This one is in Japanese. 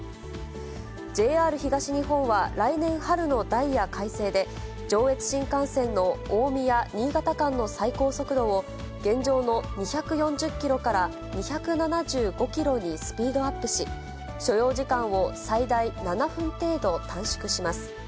ＪＲ東日本は来年春のダイヤ改正で、上越新幹線の大宮・新潟間の最高速度を、現状の２４０キロから２７５キロにスピードアップし、所要時間を最大７分程度短縮します。